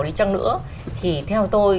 đi chăng nữa thì theo tôi